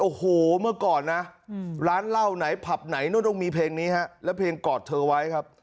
โอ้โหเมื่อก่อนนะร้านเหล้าไหนผับไหนนู่นต้องมีเพลงนี้ฮะแล้วเพลงกอดเธอไว้ครับ